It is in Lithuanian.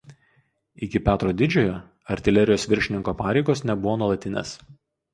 Iki Petro Didžiojo artilerijos viršininko pareigos nebuvo nuolatinės.